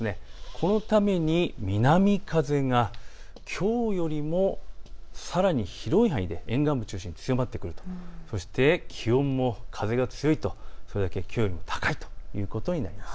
このために南風がきょうよりもさらに広い範囲で沿岸部中心に強まってくると、そして気温も風が強いとそれだけきょうよりも高いということになります。